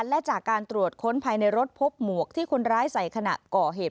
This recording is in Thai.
และจากการตรวจค้นภายในรถพบหมวกที่คนร้ายใส่ขณะก่อเหตุ